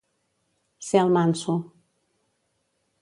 Ser el manso.